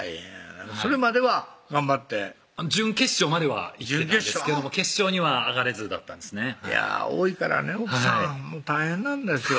それまでは頑張って準決勝までは行けたんですけども決勝には上がれずだったんですね多いからね奥さん大変なんですよ